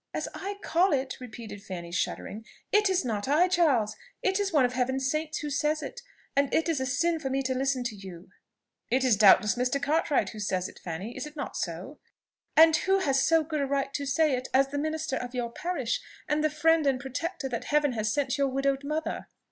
"As I call it!" repeated Fanny, shuddering, "It is not I, Charles, it is one of Heaven's saints who says it; and it is a sin for me to listen to you." "It is doubtless Mr. Cartwright who says it, Fanny. Is it not so?" "And who has so good a right to say it as the minister of your parish, and the friend and protector that Heaven has sent to your widowed mother?"